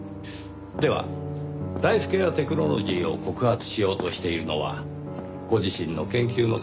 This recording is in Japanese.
ではライフケアテクノロジーを告発しようとしているのはご自身の研究のためですか？